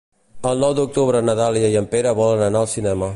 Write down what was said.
El nou d'octubre na Dàlia i en Pere volen anar al cinema.